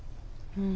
うん！